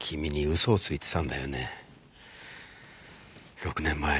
６年前。